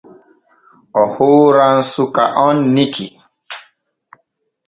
O hooran suka on Niki.